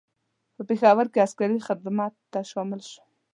په پېښور کې عسکري خدمت ته شامل شو.